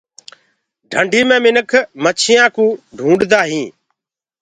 ڍنڊي مي منک مڇيآنٚ ڪي ڪرآ ڪوجآ ڪردآ هينٚ۔